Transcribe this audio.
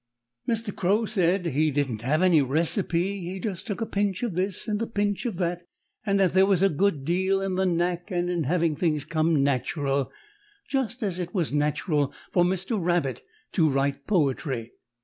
Mr. Crow said he didn't have any recipe, but just took a pinch of this and a pinch of that, and that there was a good deal in the knack and in having things come natural, just as it was natural for Mr. Rabbit to write poetry.